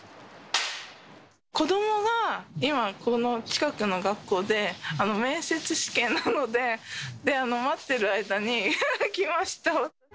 子どもが今、この近くの学校で面接試験なので、待ってる間に来ました。